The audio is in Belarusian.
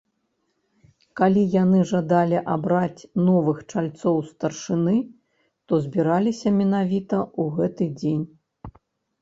Калі яны жадалі абраць новых чальцоў старшыны, то збіраліся менавіта ў гэты дзень.